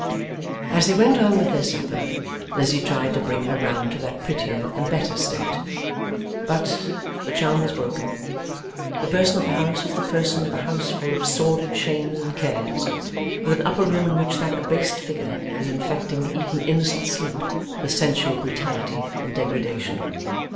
As they went on with their supper, Lizzie tried to bring her round to that prettier and better state. But, the charm was broken. The person of the house was the person of a house full of sordid shames and cares, with an upper room in which that abased figure was infecting even innocent sleep with sensual brutality and degradation.